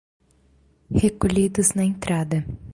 Recolhidos na entrada